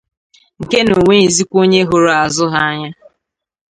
nke na o nweghịzịkwa onye hụrụ azụ ha anya